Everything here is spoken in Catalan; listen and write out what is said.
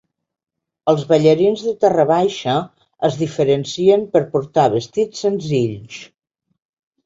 Els ballarins de Terra Baixa es diferencien per portar vestits senzills.